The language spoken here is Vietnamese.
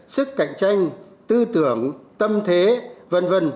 sức cạnh tranh tư tưởng tâm thế v v